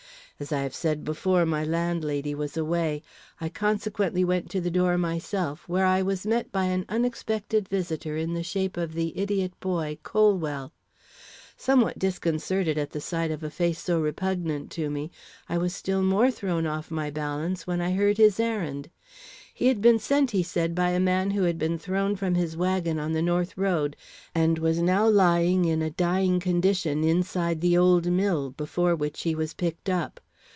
As I have said before, my landlady was away. I consequently went to the door myself, where I was met by an unexpected visitor in the shape of the idiot boy, Colwell. Somewhat disconcerted at the sight of a face so repugnant to me, I was still more thrown off my balance when I heard his errand. He had been sent, he said, by a man who had been thrown from his wagon on the north road, and was now lying in a dying condition inside the old mill, before which he was picked up.